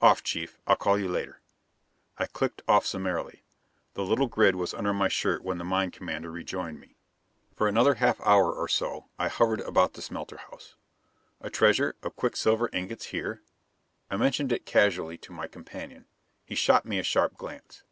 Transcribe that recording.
"Off, Chief! I'll call you later!" I clicked off summarily. The little grid was under my shirt when the mine commander rejoined me. For another half hour or to I hovered about the smelter house. A treasure of quicksilver ingots here? I mentioned it casually to my companion. He shot me a sharp glance.